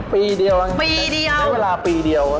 ปีเดียวไม่ได้เวลาปีเดียว